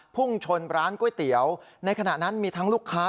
พุ่งชนร้านก๋วยเตี๋ยวในขณะนั้นมีทั้งลูกค้า